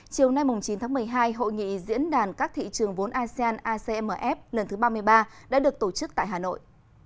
chiều nay chín tháng một mươi hai hội nghị diễn đàn các thị trường vốn asean acmf lần thứ ba mươi ba đã được tổ chức tại hà nội